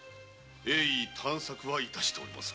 鋭意探索は致しておりますが。